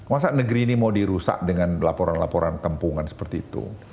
masa negeri ini mau dirusak dengan laporan laporan tempungan seperti itu